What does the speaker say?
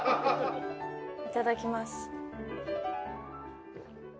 いただきます。